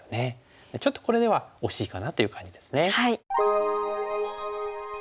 ちょっとこれでは惜しいかなという感じですね。